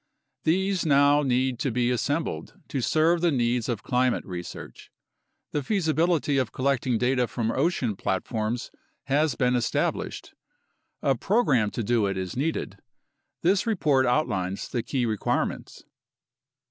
These now need to be assembled to serve the needs of climate research. The feasibility of collecting data from ocean platforms has been established. A program to do it is needed. This report outlines the key requirements.